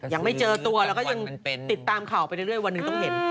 ยังไม่เจอตัวแล้วก็ยังติดตามข่าวไปเรื่อยวันหนึ่งต้องเห็น